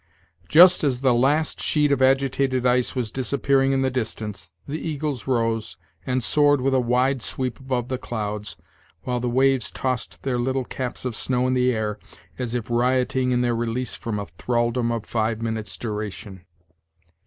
Just as the last sheet of agitated ice was disappearing in the distance, the eagles rose, and soared with a wide sweep above the clouds, while the waves tossed their little caps of snow in the air, as if rioting in their release from a thraldom of five minutes' duration.